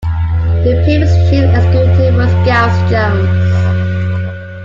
The previous Chief Executive was Gareth Jones.